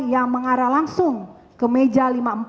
yang mengarah langsung ke meja lima puluh empat